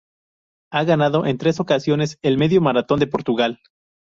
Ha ganado en tres ocasiones el Medio Maratón de Portugal.